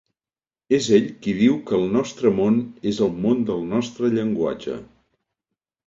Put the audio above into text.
És ell qui diu que el nostre món és el món del nostre llenguatge.